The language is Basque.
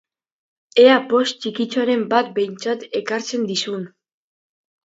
Ea poz txikitxoren bat behintzat ekartzen dizun!